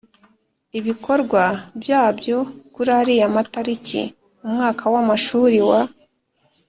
ibikorwa byabyo kuri ariya matariki Umwaka w amashuri wa